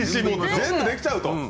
全部できちゃうと。